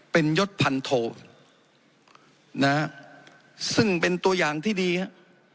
เป็นยศพันโทนะฮะซึ่งเป็นตัวอย่างที่ดีฮะ